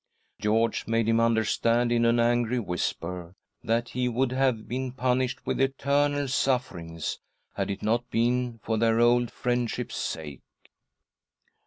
George made him under stand, in an angry whisper, that he would have been punished with eternal sufferings had it not been for their old friendship's sake.